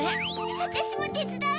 あたしもてつだう！